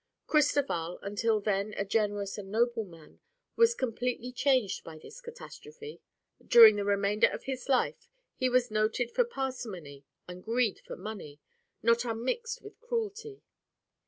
Cristoval, until then a generous and noble man, was completely changed by this catastrophe. During the remainder of his life he was noted for parsimony and greed for money, not unmixed with cruelty.